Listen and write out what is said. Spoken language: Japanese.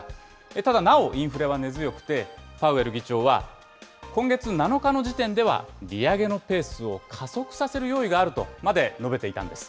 ただ、なおインフレは根強くて、パウエル議長は、今月７日の時点では、利上げのペースを加速させる用意があるとまで述べていたんです。